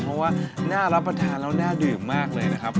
เพราะว่าน่ารับประทานแล้วน่าดื่มมากเลยนะครับ